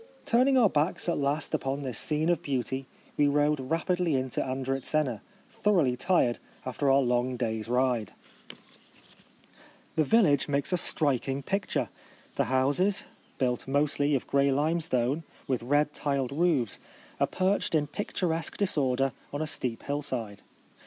Turning our backs at last upon this scene of beauty we rode rapidly into Andritzena, thoroughly tired after our long day's ride. The vil 558 A Ride across the Peloponnese. [May lage makes a striking picture. The houses, built mostly of grey lime stone, with red tiled roofs, are perched in picturesque disorder on a steep hillside.